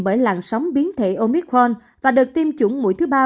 bởi làn sóng biến thể omicron và đợt tiêm chủng mũi thứ ba